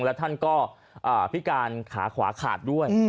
แล้วท่านก็พิการขาขวาขาดด้วย